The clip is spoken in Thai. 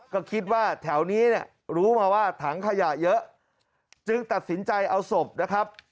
ก็คิดว่าแถวนี้เนี่ยรู้มาว่าถังขยะเยอะจึงตัดสินใจเอาศพนะครับ